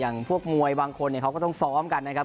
อย่างพวกมวยบางคนเนี่ยเขาก็ต้องซ้อมกันนะครับ